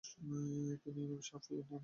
তিনি ইমাম শাফেয়ী নামে বেশি পরিচিত ।